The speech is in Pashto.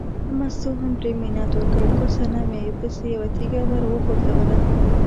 مستو هم پرې منت وکړ، ګل صنمې پسې یوه تیږه ور وغورځوله.